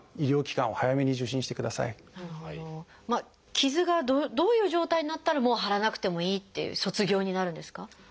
傷がどういう状態になったらもう貼らなくてもいいっていう卒業になるんですか？